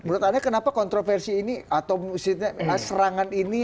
menurut anda kenapa kontroversi ini